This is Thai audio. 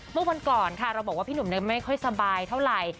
เมื่อวันก่อนค่ะเราบอกว่าพี่หนุ่มไม่ค่อยสบายเท่าไหร่